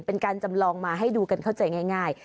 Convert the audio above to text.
เป็นการจำลองมาให้ดูกันเข้าใจง่าย